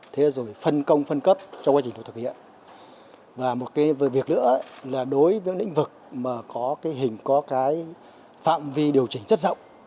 thế rồi phân công phân cấp cho quá trình thực hiện và một cái việc nữa là đối với những lĩnh vực mà có cái hình có cái phạm vi điều chỉnh rất rộng